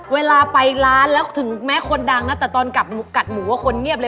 เวลาไปร้านแล้วถึงแม้คนดังนะแต่ตอนกัดหมูว่าคนเงียบเลย